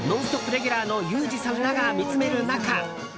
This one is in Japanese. レギュラーのユージさんらが見つめる中。